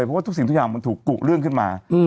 เพราะว่าทุกสิ่งทุกอย่างมันถูกกุเรื่องขึ้นมา